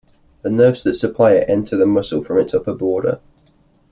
The nerves that supply it enter the muscle from its upper border.